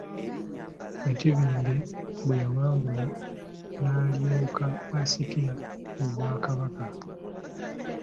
Nnakibinge bwe yawangula, n'alyoka asikira obwakabaka.